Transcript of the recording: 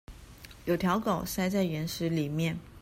有條狗塞在岩石裡面